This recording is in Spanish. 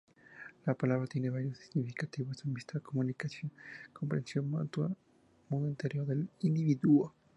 La palabra tiene varios significados: amistad, comunicación, comprensión mutua, mundo interior del individuo.